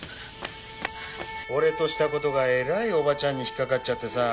俺とした事がえらいおばちゃんに引っかかっちゃってさぁ。